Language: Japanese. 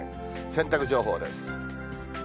洗濯情報です。